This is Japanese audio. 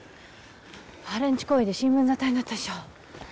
破廉恥行為で新聞沙汰になったでしょう？